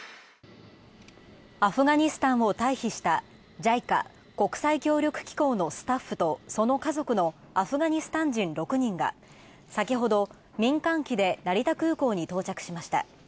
ＪＩＣＡ＝国際協力機構のスタッフとその家族のアフガニスタン人６人が先ほど民間機で成田空港に到着しました。